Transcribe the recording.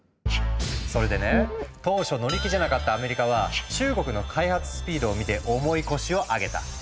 それでね当初乗り気じゃなかったアメリカは中国の開発スピードを見て重い腰を上げた。